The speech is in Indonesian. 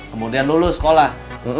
kemudian lulus sekolah